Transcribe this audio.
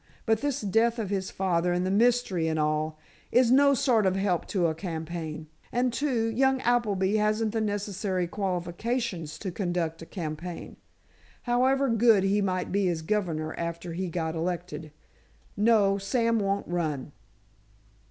But this death of his father and the mystery and all, is no sort of help to a campaign. And, too, young Appleby hasn't the necessary qualifications to conduct a campaign, however good he might be as governor after he got elected. No; Sam won't run."